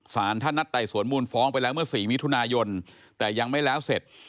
สารท่านนัดไต่สวนมูลฟ้องไปแล้วเมื่อ๔มิถุนายนแต่ยังไม่แล้วเสร็จ